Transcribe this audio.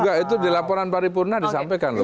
enggak itu di laporan paripurna disampaikan loh